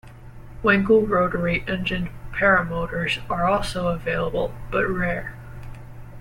Wankel rotary engined paramotors are also available, but rare.